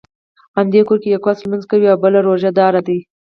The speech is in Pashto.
همدې کور کې یو کس لمونځ کوي او بل روژه دار دی.